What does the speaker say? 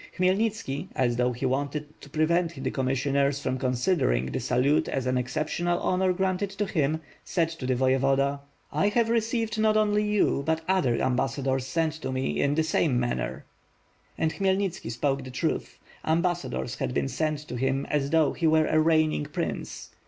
Khmyelnitski, as though he wanted to prevent the commissioners from con sidering the salute as an exceptional honor granted to him, said L t the Voyevoda: "I have received not only you, but other ambassadors sent to me, in the same manner." And Khmyelnitski spoke the truth. Ambassadors had been sent to him as though he were a reignini: prince.